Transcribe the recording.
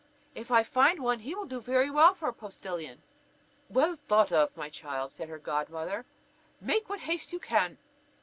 If I find one, he will do very well for a postillion." "Well thought of, my child," said her godmother; "make what haste you can."